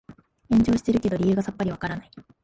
炎上してるけど理由がさっぱりわからない